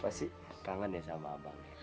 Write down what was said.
kenapa sih kangen ya sama abang